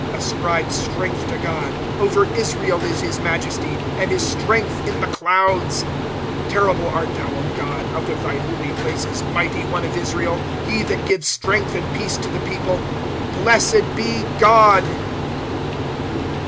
^* Ascribe strength to God. Over Israel is his majesty, And his strength in the clouds. 35 Terrible art thou, God, out of thy holy places, Mighty One of Israel ; He that gives strength and peace to the people. Blessed be God